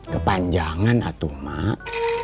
kepanjangan atuh mak